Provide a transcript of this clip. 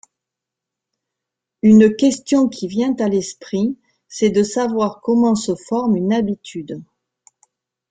Une question qui vient à l'esprit, c'est de savoir comment se forme une habitude.